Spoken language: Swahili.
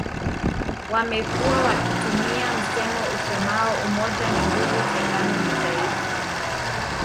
Wamekuwa wakitumia msemo usemao umoja ni nguvu na utengano ni udhaifu